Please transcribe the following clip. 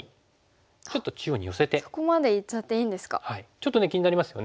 ちょっと気になりますよね。